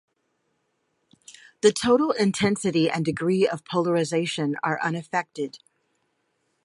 The total intensity and degree of polarization are unaffected.